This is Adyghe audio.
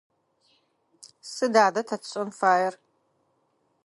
Сыд адэ тэ тшӏэн фаер?